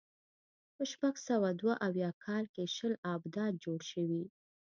په شپږ سوه دوه اویا کال کې شل ابدات جوړ شوي.